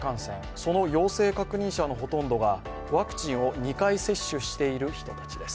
その陽性確認者のほとんどがワクチンを２回接種している人たちです。